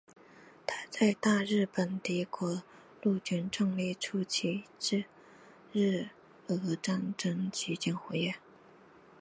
他在大日本帝国陆军创立初期至日俄战争期间活跃。